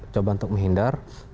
coba untuk menghindar